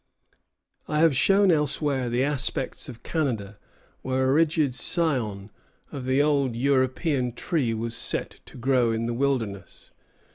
I have shown elsewhere the aspects of Canada, where a rigid scion of the old European tree was set to grow in the wilderness.